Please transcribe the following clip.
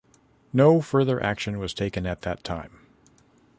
No further action was taken at that time.